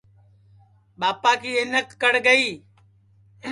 ٻاپا کی اَینک کڑ گئی